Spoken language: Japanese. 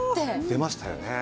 出ましたよね。